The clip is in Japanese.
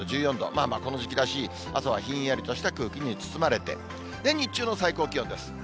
まあまあこの時期らしい朝はひんやりとした空気に包まれて、日中の最高気温です。